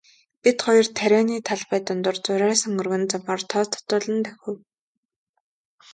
Бид хоёр тарианы талбай дундуур зурайсан өргөн замаар тоос татуулан давхив.